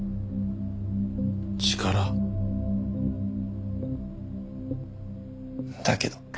力？だけど。